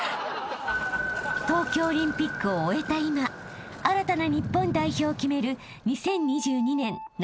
［東京オリンピックを終えた今新たな日本代表を決める］